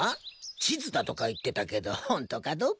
地図だとか言ってたけどほんとかどうか。